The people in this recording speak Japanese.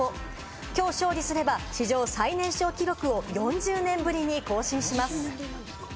きょう勝利すれば史上最年少記録を４０年ぶりに更新します。